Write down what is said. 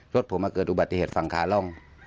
รถผมมาเกิดอุบัติเหตุฝั่งขาล่อง